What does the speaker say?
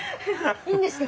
いいんですか？